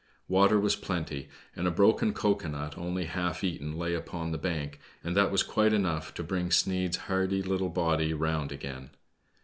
Water was plenty, and a broken cocoa nut, only half eaten, lay upon the bank, and that was quite enough to bring Sneid's hardy httle body round again.